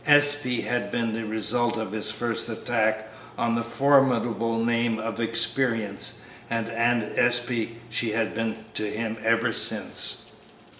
"Espey" had been the result of his first attack on the formidable name of "Experience," and "Aunt Espey" she had been to him ever since.